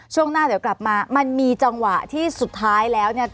ช่วงหน้าเดี๋ยวกลับมามันมีจังหวะที่สุดท้ายแล้วเนี่ย